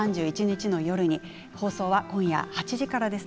放送は今夜８時からです。